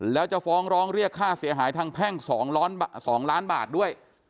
แล้วจะฟ้องร้องเรียกค่าเสียหายทางแพ่ง๒ล้านบาทด้วย